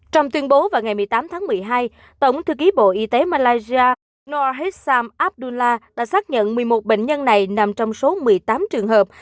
trong tuyên bố vào ngày một mươi tám tháng một mươi hai tổng thư ký bộ y tế malaysia noha hezsam abdullah đã xác nhận một mươi một bệnh nhân này nằm trong số một mươi tám trường hợp